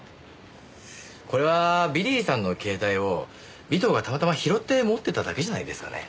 これはビリーさんの携帯を尾藤がたまたま拾って持ってただけじゃないですかね？